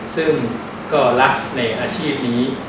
ซึ่งก็รักในอาชีพนี้